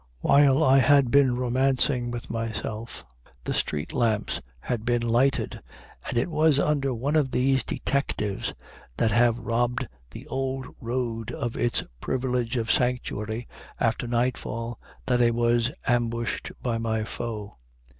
While I had been romancing with myself, the street lamps had been lighted, and it was under one of these detectives that have robbed the Old Road of its privilege of sanctuary after nightfall that I was ambushed by my foe.